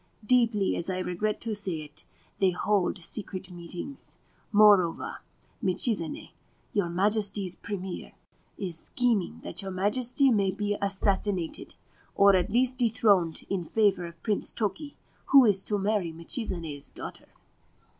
Deeply as I regret to say it, they hold secret meetings. Moreover, Michizane, your Majesty's Premier, is scheming that your Majesty may be assassinated, or at least dethroned in favour of Prince Toki, who is to marry Michizane's daughter.'